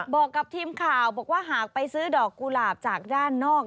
บอกกับทีมข่าวบอกว่าหากไปซื้อดอกกุหลาบจากด้านนอก